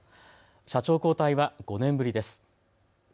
社長交代は５年ぶりです。